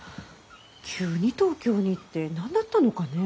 急に東京に行って何だったのかねぇ。